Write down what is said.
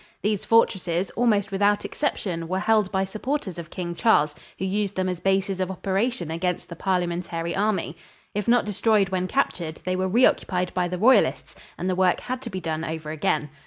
These fortresses, almost without exception, were held by supporters of King Charles, who used them as bases of operation against the Parliamentary Army. If not destroyed when captured, they were re occupied by the Royalists and the work had to be done over again.